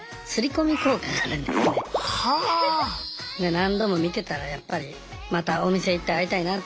何度も見てたらやっぱりまたお店行って会いたいなって。